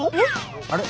あれ？